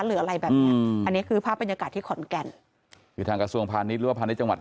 หรืออะไรแบบนี้อันนี้คือภาพบรรยากาศที่ขอนแก่น